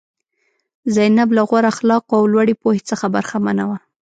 زینب له غوره اخلاقو او لوړې پوهې څخه برخمنه وه.